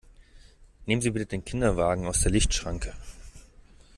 Nehmen Sie bitte den Kinderwagen aus der Lichtschranke!